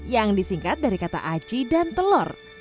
yang disingkat dari kata aci dan telur